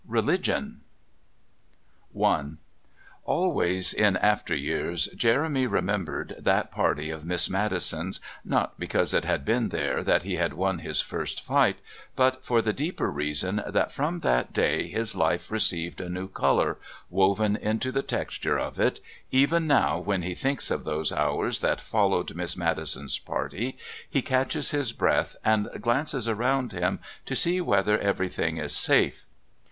RELIGION I Always in after years Jeremy remembered that party of Miss Maddison's, not because it had been there that he had won his first fight, but for the deeper reason that from that day his life received a new colour, woven into the texture of it; even now when he thinks of those hours that followed Miss Maddison's party he catches his breath and glances around him to see whether everything is safe.